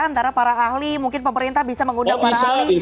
antara para ahli mungkin pemerintah bisa mengundang para ahli